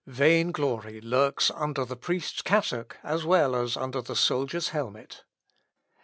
Vain glory lurks under the priest's cassock as well as the soldier's helmet.